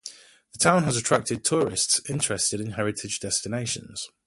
The town has attracted tourists interested in heritage destinations.